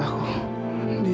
anak aku yang sebenarnya